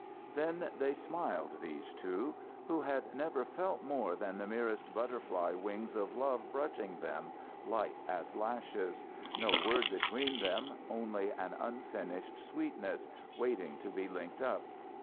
Then they smiled, these two, who had never felt more than the merest butterfly wings of love brushing them, light as lashes. No word between them, only an unfinished sweetness, waiting to be linked up.